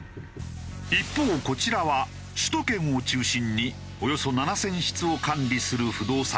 一方こちらは首都圏を中心におよそ７０００室を管理する不動産会社。